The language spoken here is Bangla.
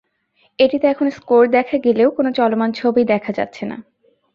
এটিতে এখন স্কোর দেখা গেলেও কোনো চলমান ছবি দেখা যাচ্ছে না।